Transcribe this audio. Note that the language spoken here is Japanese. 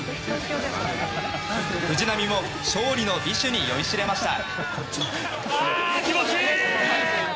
藤浪も勝利の美酒に酔いしれました。